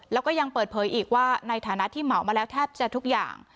แล้วก็ยังเปิดเผยอีกว่าในฐานะที่เหมามาแล้วแทบจะทุกอย่าง